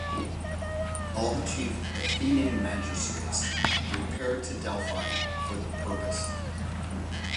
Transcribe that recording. All the chief Athenian magistrates repaired to Delphi for the purpose.